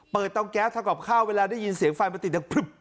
เปิดเตาแก๊ปทางกลับข้าวเวลาได้ยินเสียงไฟมาติด